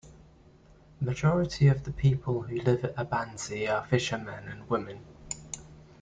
Majority of the people who live at Abandze are fisher men and women.